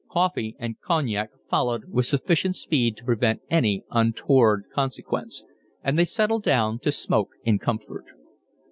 Coffee and cognac followed with sufficient speed to prevent any untoward consequence, and they settled down to smoke in comfort.